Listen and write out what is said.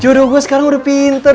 judul gue sekarang udah pinter